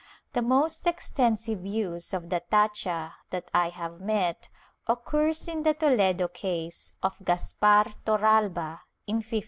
The most extensive use of the tacha that I have met occurs in the Toledo case of Caspar Torralba, in 1531.